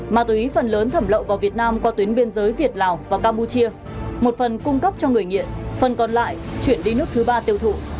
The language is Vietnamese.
ma túy phần lớn thẩm lậu vào việt nam qua tuyến biên giới việt lào và campuchia một phần cung cấp cho người nghiện phần còn lại chuyển đi nước thứ ba tiêu thụ